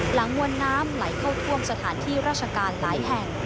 มวลน้ำไหลเข้าท่วมสถานที่ราชการหลายแห่ง